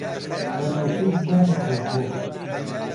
وەنەوشەی جوانی خۆشبۆ